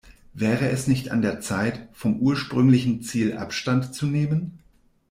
Wäre es nicht an der Zeit, vom ursprünglichen Ziel Abstand zu nehmen?